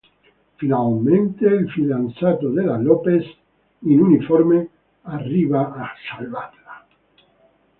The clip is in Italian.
Finalmente il fidanzato della Lopez, in uniforme, arriva a "salvarla".